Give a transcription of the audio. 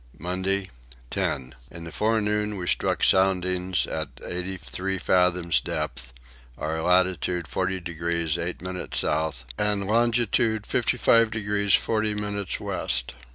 Monday 10. In the forenoon we struck soundings at eighty three fathoms depth; our latitude 40 degrees 8 minutes south and longitude 55 degrees 40 minutes west.